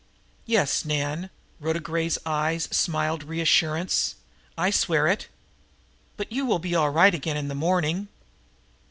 "Yes, Nan" Rhoda Gray's eyes smiled reassurance "I swear it. But you will be all right again in the morning."